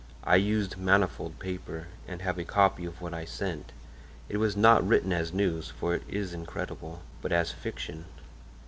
I used manifold paper and have a copy of what I sent. It was not written as news, for it is incredible, but as fiction.